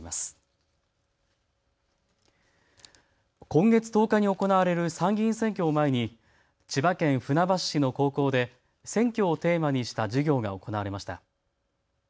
今月１０日に行われる参議院選挙を前に千葉県船橋市の高校で選挙をテーマにした授業が行われました。